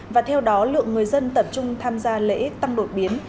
và theo đó lượng người dân tập trung tham gia lễ tăng đột biến